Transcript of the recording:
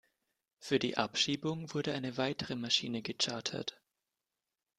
Für die Abschiebung wurde eine weitere Maschine gechartert.